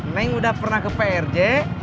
neng udah pernah ke prj